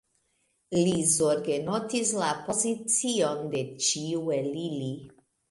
Li zorge notis la pozicion de ĉiu el ili.